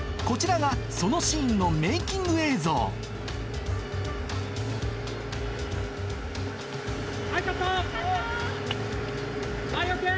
こちらがそのシーンのメイキング映像・はいカット！